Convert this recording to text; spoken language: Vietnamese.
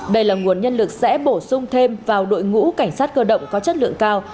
đây là nguồn nhân lực sẽ bổ sung thêm vào đội ngũ cảnh sát cơ động có chất lượng cao